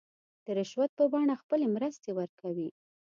د رشوت په بڼه خپلې مرستې ورکوي.